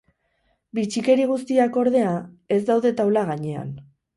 Bitxikeri guztiak, ordea, ez daude taula gainean.